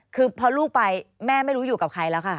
คือพอลูกไปแม่ไม่รู้อยู่กับใครแล้วค่ะ